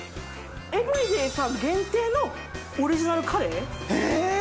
エブリデイさん限定のオリジナルカレー。